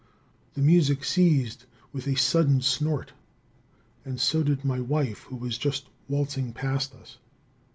The music ceased with a sudden snort. And so did my wife, who was just waltzing past us.